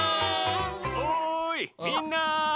・おいみんな！